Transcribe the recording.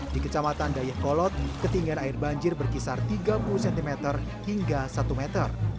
di kecamatan dayakolot ketinggian air banjir berkisar tiga puluh cm hingga satu meter